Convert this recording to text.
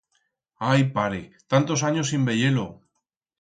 Ai, pare, tantos anyos sin veyer-lo.